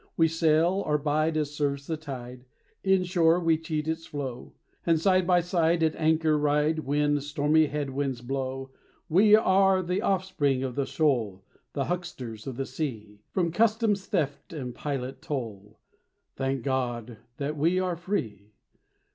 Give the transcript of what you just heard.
We sail or bide as serves the tide; Inshore we cheat its flow, And side by side at anchor ride When stormy head winds blow. We are the offspring of the shoal, The hucksters of the sea; From customs theft and pilot toll, Thank God that we are free.